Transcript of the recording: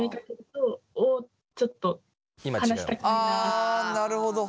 ああなるほど。